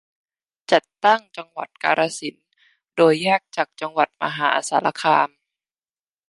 จัดตั้งจังหวัดกาฬสินธุ์ โดยแยกจากจังหวัดมหาสารคาม